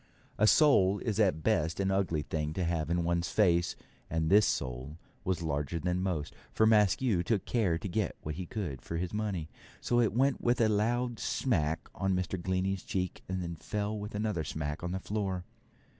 A sole is at the best an ugly thing to have in one's face, and this sole was larger than most, for Maskew took care to get what he could for his money, so it went with a loud smack on Mr. Glennie's cheek, and then fell with another smack on the floor.